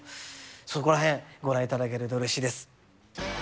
そこらへん、ご覧いただければ、うれしいです。